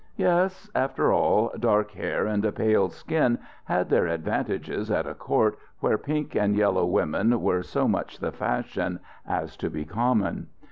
Yes after all, dark hair and a pale skin had their advantages at a court where pink and yellow women were so much the fashion as to be common.